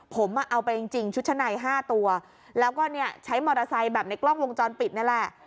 ผมเอาไปจริงชุดชั้นใน๕ตัวแล้วก็เนี่ยใช้มอเตอร์ไซค์แบบในกล้องวงจรปิดนี่แหละ